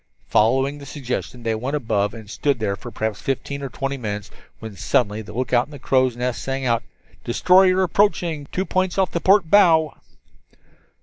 Following the suggestion they went above and had stood there for perhaps fifteen or twenty minutes when suddenly the lookout in the crow's nest sang out: "Destroyer approaching, two points off the port bow."